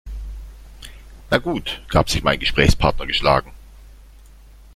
Na gut, gab sich mein Gesprächspartner geschlagen.